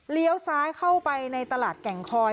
เลี้ยวซ้ายเข้าไปในตลาดแก่งคอย